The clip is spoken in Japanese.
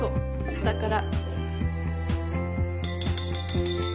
下から。